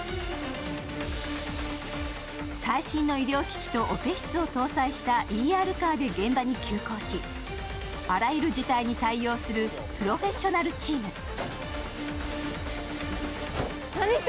最新の医療機器とオペ室を搭載したＥＲカーで現場に急行しあらゆる事態に対応するプロフェッショナルチーム。